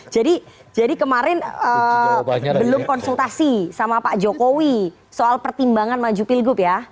jadi kemarin belum konsultasi sama pak jokowi soal pertimbangan maju pilgub ya